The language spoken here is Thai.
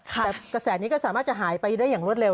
แต่กระแสนี้ก็สามารถจะหายไปได้อย่างรวดเร็